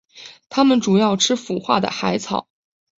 它们主要吃腐化的海草。